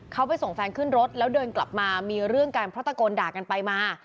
เขาไปส่งแฟนขึ้นรถแล้วเดินกลับมามีเรื่องกันเพราะตะโกนด่ากันไปมา